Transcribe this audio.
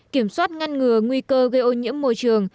kiểm soát ngăn ngừa nguy cơ gây ô nhiễm môi trường